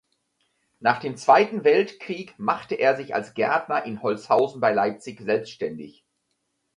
Nach dem Zweiten Weltkrieg machte er sich als Gärtner in Holzhausen bei Leipzig selbständig.